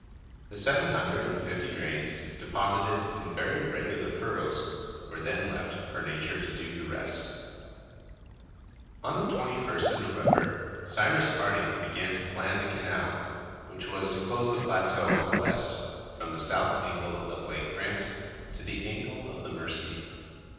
The seven hundred and fifty grains, deposited in very regular furrows, were then left for nature to do the rest. On the 21st of November, Cyrus Harding began to plan the canal which was to close the plateau on the west, from the south angle of Lake Grant to the angle of the Mercy.